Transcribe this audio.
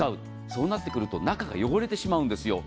そうなってくると中が汚れてしまうんですよ。